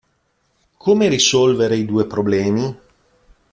Come risolvere i due problemi?